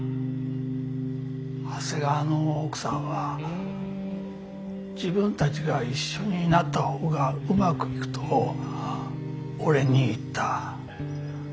長谷川の奥さんは自分たちが一緒になったほうがうまくいくと俺に言った。